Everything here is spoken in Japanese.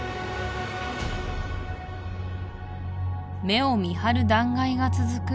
目を見張る断崖が続く